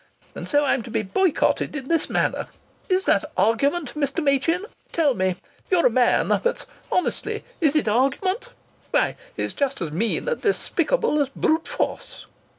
And so I'm to be boycotted in this manner! Is that argument, Mr. Machin? Tell me. You're a man, but honestly, is it argument? Why, it's just as mean and despicable as brute force."